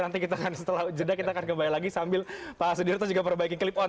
nanti kita akan setelah jeda kita akan kembali lagi sambil pak sedir terus juga perbaiki klip on